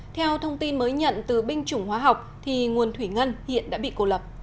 theo thông tin mới nhận từ binh chủng hóa học thì nguồn thủy ngân hiện đã bị cô lập